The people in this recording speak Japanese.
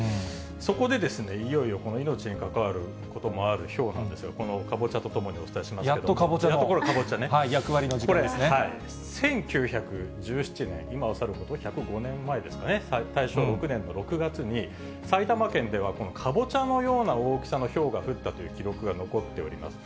そこで、いよいよこの命に関わることもあるひょうなんですが、このかぼちゃとともにお伝えしますけれども。やっとかぼちゃの役割の時間これ、１９１７年、今を、大正６年の６月に、埼玉県ではこのかぼちゃのような大きさのひょうが降ったという記録が残っております。